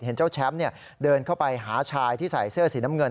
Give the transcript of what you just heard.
เจ้าแชมป์เดินเข้าไปหาชายที่ใส่เสื้อสีน้ำเงิน